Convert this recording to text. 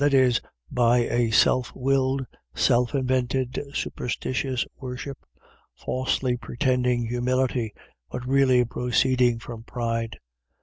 .That is, by a self willed, self invented, superstitious worship, falsely pretending humility, but really proceeding from pride.